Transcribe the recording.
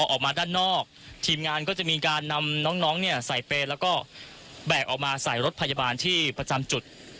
ออกมาด้านนอกทีมงานก็จะมีการนำน้องเนี่ยใส่เปรย์แล้วก็แบกออกมาใส่รถพยาบาลที่ประจำจุด